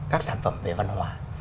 các sản phẩm về văn hóa